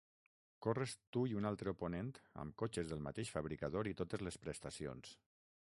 Corres tu i un altre oponent amb cotxes del mateix fabricador i totes les prestacions.